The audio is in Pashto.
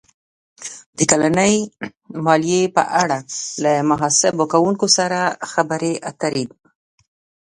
-د کلنۍ مالیې په اړه له محاسبه کوونکي سره خبرې اتر ې